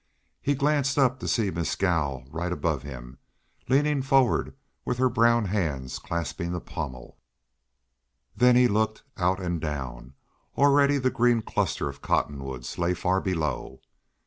He glanced up to see Mescal right above him, leaning forward with her brown hands clasping the pommel. Then he looked out and down; already the green cluster of cottonwoods lay far below.